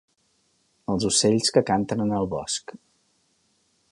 Els ocells que canten en el bosc.